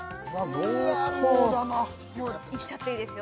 濃厚だなもういっちゃっていいですよ